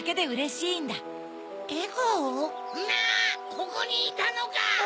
ここにいたのか！